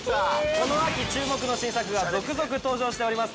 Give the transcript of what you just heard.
◆この秋注目の新作が続々登場しております。